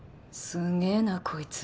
すげえなこいつ